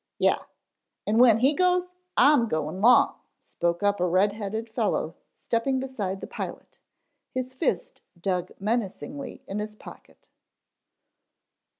"Yeh, en when he goes, I'm goin' long," spoke up a red headed fellow stepping beside the pilot, his fist dug menacingly in his pocket.